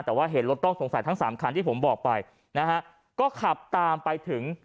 แต่ว่าเห็นรถต้องสงสัยทั้งสามคันที่ผมบอกไปนะฮะก็ขับตามไปถึง